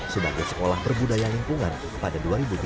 sebagai sekolah berbudaya lingkungan pada dua ribu tiga